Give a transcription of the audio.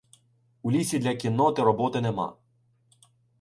У лісі для кінноти роботи нема.